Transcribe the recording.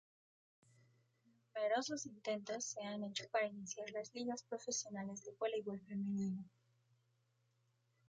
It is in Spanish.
Numerosos intentos se han hecho para iniciar las ligas profesionales de voleibol femenino.